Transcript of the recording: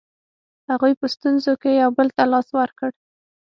هغوی په ستونزو کې یو بل ته لاس ورکړ.